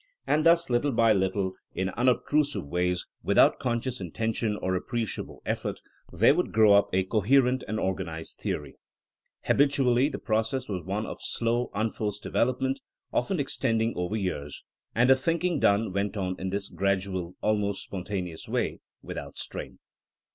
And thus, lit tle by little, in unobtrusive ways, without conscious intention or appreciable effort, there would grow up a coherent and organized theory. Habitually the process was one of slow unforced THINKING AS A SCIENCE 87 development, often extending over years; and the thinking done went on in this gradual, al most spontaneous way, without strain.